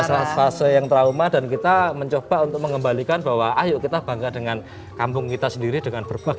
fase fase yang trauma dan kita mencoba untuk mengembalikan bahwa ayo kita bangga dengan kampung kita sendiri dengan berbagai